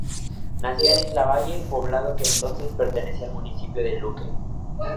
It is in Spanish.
Nació en Isla Valle, poblado que entonces pertenecía al municipio de Luque.